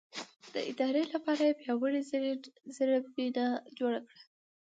د ادارې لپاره یې پیاوړې زېربنا جوړه کړه.